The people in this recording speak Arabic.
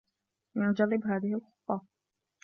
لنجرب هذه الخطة.